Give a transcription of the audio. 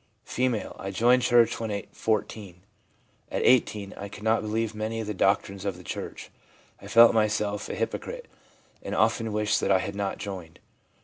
F. c I joined church when 14 ; at 18 I could not believe many of the doctrines of the church. I felt myself a hypo crite, and often wished that I had not joined.'